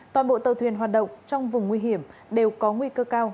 toàn bộ tàu thuyền hoạt động trong vùng nguy hiểm đều có nguy cơ cao